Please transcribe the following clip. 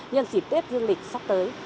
nhân dịp tết dương lịch sắp tới